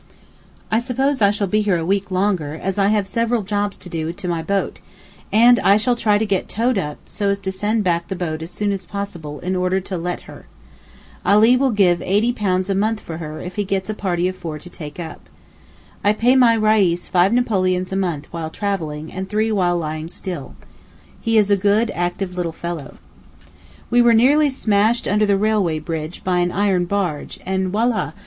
I suppose I shall be here a week longer as I have several jobs to do to my boat, and I shall try to get towed up so as to send back the boat as soon as possible in order to let her. Ali will give £80 a month for her if he gets a party of four to take up. I pay my Reis five napoleons a month while travelling and three while lying still. He is a good, active little fellow. We were nearly smashed under the railway bridge by an iron barge—and Wallah!